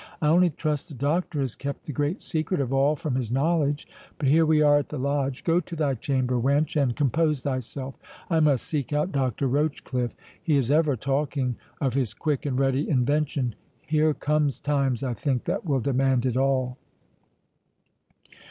I only trust the Doctor has kept the great secret of all from his knowledge.—But here we are at the Lodge. Go to thy chamber, wench, and compose thyself. I must seek out Doctor Rochecliffe; he is ever talking of his quick and ready invention. Here come times, I think, that will demand it all."